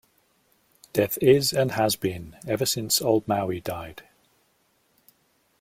Death is and has been ever since old Maui died.